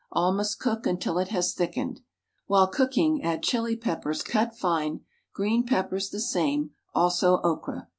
All must cook until it has thickened. While cooking add chili peppers cut fine, green peppers the same, also okra.